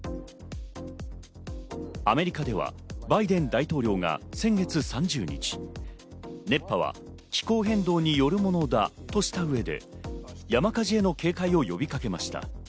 アメリカではバイデン大統領が先月３０日、熱波は気候変動によるものだとした上で、山火事への警戒を呼びかけました。